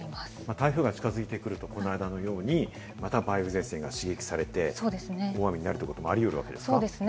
台風が近づいてくると、この間のように梅雨前線が刺激されて大雨になるってこともあり得るわけですか？